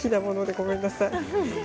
ごめんなさい。